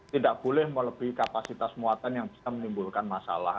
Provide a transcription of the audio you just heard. tidak boleh melebihi kapasitas muatan yang bisa menimbulkan masalah